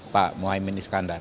pak mohaimin iskandar